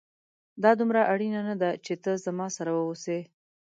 دا دومره اړينه نه ده چي ته زما سره واوسې